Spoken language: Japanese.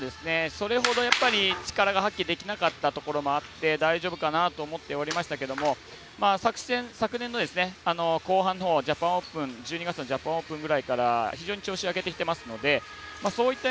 それほど、力が発揮できなかったところもあって大丈夫かなと思っておりましたけども昨年の後半のほう１２月のジャパンオープンぐらいから非常に調子を上げてきてますのでそういった